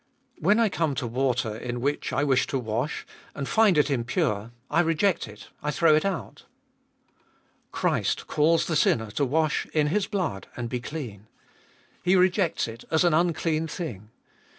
When I come to water in which I wish to wash, and find it impure, I reject it ; I throw it out. Christ calls the sinner to wash in His blood and be clean. He rejects it as an unclean thing.